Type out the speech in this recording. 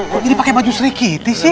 kok jadi pakai baju serik giti sih